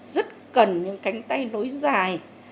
rất cần những cánh tay nối dài